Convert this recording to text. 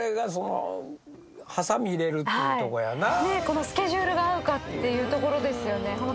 このスケジュールが合うかっていうところですよね。